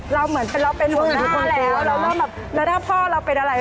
เราเหมือนว่าเราเป็นหัวหน้าแล้วแล้วเริ่มแบบแล้วถ้าพ่อเราเป็นอะไร